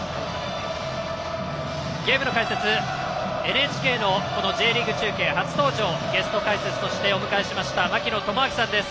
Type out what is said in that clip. ゲームの解説はＮＨＫのＪリーグ中継初登場ゲスト解説としてお迎えしました槙野智章さんです。